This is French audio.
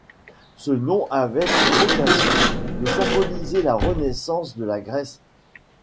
Ce nom avait pour vocation de symboliser la renaissance de la Grèce.